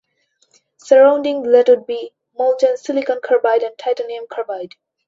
Surrounding that would be molten silicon carbide and titanium carbide.